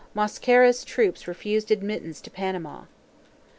Mosquera's troops refused admittance to Panama.